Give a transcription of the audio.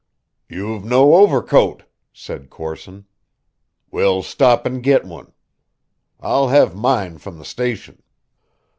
"You've no overcoat," said Corson. "We'll stop and get one. I'll have mine from the station."